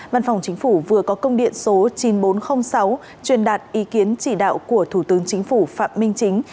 văn phòng chính phủ vừa có công điện số chín nghìn bốn trăm linh sáu truyền đạt ý kiến chỉ đạo của thủ tướng chính phủ phạm minh chính